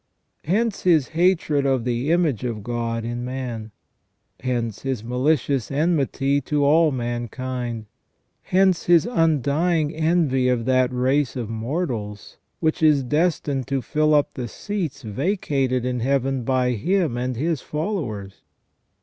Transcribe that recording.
Hence his hatred of the image of God in man. Hence his malicious enmity to all mankind. Hence his undying envy of that race of mortals which is destined to fill up the seats vacated in Heaven by him and his followers.